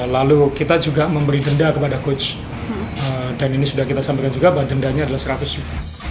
lalu kita juga memberi denda kepada coach dan ini sudah kita sampaikan juga bahwa dendanya adalah seratus juta